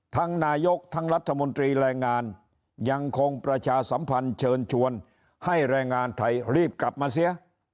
นายกทั้งรัฐมนตรีแรงงานยังคงประชาสัมพันธ์เชิญชวนให้แรงงานไทยรีบกลับมาเสีย